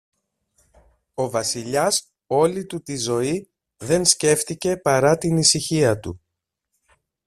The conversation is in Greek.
Ο Βασιλιάς όλη του τη ζωή δε σκέφθηκε παρά την ησυχία του.